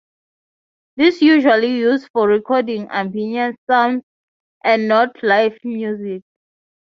This is usually used for recording ambiance sounds and not live music.